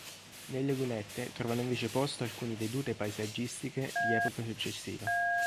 Nelle lunette trovano invece posto alcuni vedute paesaggistiche di epoca successiva.